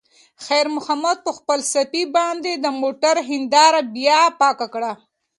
خیر محمد په خپلې صافې باندې د موټر هینداره بیا پاکه کړه.